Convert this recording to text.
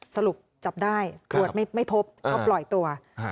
สรุปจับได้ตรวจไม่พบก็ปล่อยตัว